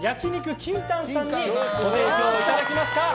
ＫＩＮＴＡＮさんにご提供いただきました。